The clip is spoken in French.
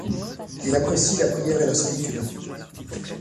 Il apprécie la prière et la solitude.